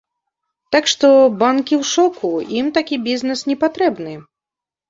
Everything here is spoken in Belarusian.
Так што банкі ў шоку, ім такі бізнэс не патрэбны.